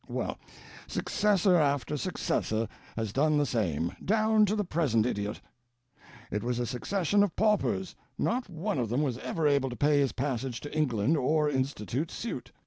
Well, successor after successor has done the same, down to the present idiot. It was a succession of paupers; not one of them was ever able to pay his passage to England or institute suit.